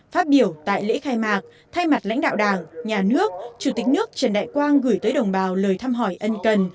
phát biểu tại lễ khai mạc thay mặt lãnh đạo đảng nhà nước chủ tịch nước trần đại quang gửi tới đồng bào lời thăm hỏi ân cần